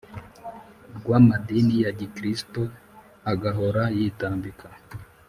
Rw Amadini Ya Gikristo Agahora Yitambika